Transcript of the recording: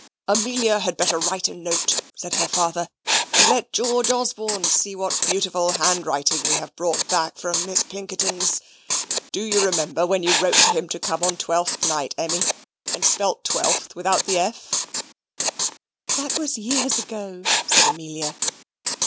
"Amelia had better write a note," said her father; "and let George Osborne see what a beautiful handwriting we have brought back from Miss Pinkerton's. Do you remember when you wrote to him to come on Twelfth night, Emmy, and spelt twelfth without the f?" "That was years ago," said Amelia.